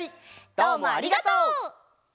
どうもありがとう！